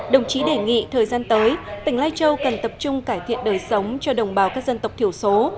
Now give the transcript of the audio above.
đồng chí đề nghị thời gian tới tỉnh lai châu cần tập trung cải thiện đời sống cho đồng bào các dân tộc thiểu số